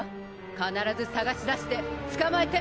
必ず捜し出して捕まえて！